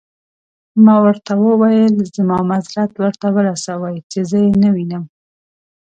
ما ورته وویل: زما معذرت ورته ورسوئ، چې زه يې نه وینم.